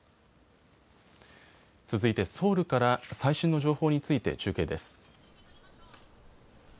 続いてソウルから最新の情報について中継です。